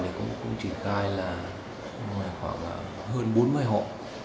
để có một công trình khai là khoảng là hơn bốn mươi hộ